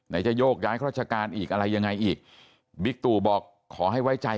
จะโยกย้ายราชการอีกอะไรยังไงอีกบิ๊กตู่บอกขอให้ไว้ใจ